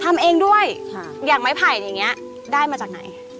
ทำเองด้วยอย่างไม้ไผ่อย่างนี้ได้มาจากไหน